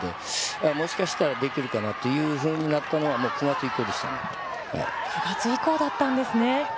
もしかしたらできるかな？というふうになったのは９月以降です。